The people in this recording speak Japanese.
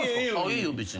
いいよ別に。